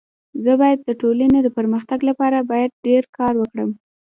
زه بايد د ټولني د پرمختګ لپاره باید ډير کار وکړم.